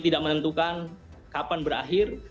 tidak menentukan kapan berakhir